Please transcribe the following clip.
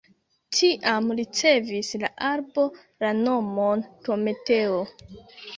Tiam ricevis la arbo la nomon Prometeo.